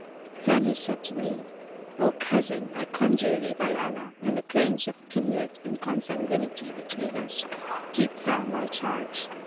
Then said he to me, "O cousin, I conjure thee by Allah and the claims of kindred and consanguinity[FN#139] between us, keep thou my charge.